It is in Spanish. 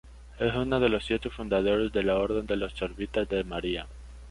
Es uno de los siete fundadores de la Orden de los Servitas de María.